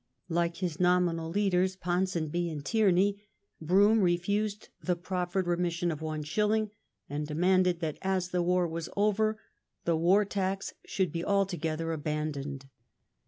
Like his nominal leaders Ponsonby and Tierney, Brougham refused the proffered remission of Is., and demanded that as the war was over the war tax should be altogether abandoned.